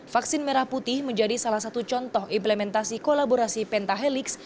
vaksin merah putih menjadi salah satu contoh implementasi kolaborasi pentahelix